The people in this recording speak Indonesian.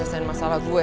bisa selesain masalah gue